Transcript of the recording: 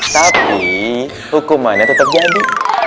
tapi hukumannya tetep jadi